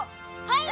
はい！